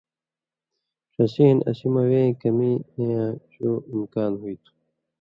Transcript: ݜسی ہِن اسی مہ وے ایں کمی اېیاں چو امکان ہُوی تُھو۔